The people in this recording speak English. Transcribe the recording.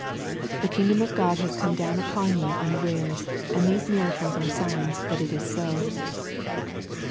The kingdom of God has come down upon you unawares, and these miracles are signs that it is so."